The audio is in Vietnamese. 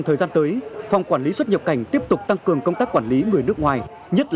thời gian tới phòng quản lý xuất nhập cảnh tiếp tục tăng cường công tác quản lý người nước ngoài nhất là